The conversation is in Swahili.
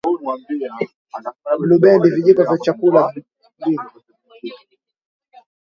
Blubendi vijiko vya chakula mbili